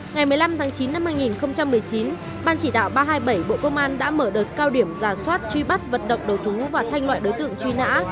ngày một mươi năm tháng chín năm hai nghìn một mươi chín ban chỉ đạo ba trăm hai mươi bảy bộ công an đã mở đợt cao điểm giả soát truy bắt vận động đầu thú và thanh loại đối tượng truy nã